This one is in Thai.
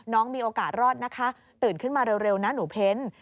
มีโอกาสรอดนะคะตื่นขึ้นมาเร็วนะหนูเพ้น